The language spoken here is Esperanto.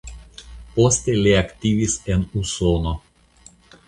Poste li aktivis en Usono.